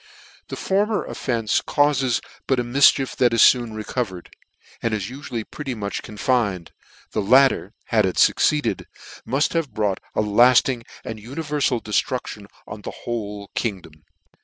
The former offence caufes DUE a mifchief that is foon recovered, and is ufually pretty much confined ; the latter, had it fucceed cd, . mufthave brought a lading and univerfal def truftion on the whole kingdom.